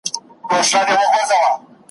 لا په غاړه د لوټونو امېلونه `